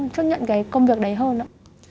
chấp nhận cái công việc đấy hơn ạ